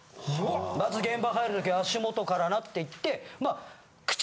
まず現場入る時は足元からなって言ってまあ。